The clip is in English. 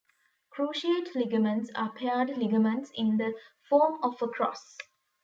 Cruciate ligaments are paired ligaments in the form of a cross.